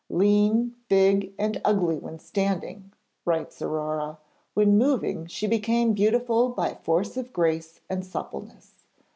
'Lean, big and ugly when standing,' writes Aurore, 'when moving she became beautiful by force of grace and suppleness.